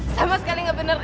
sama sekali gak bener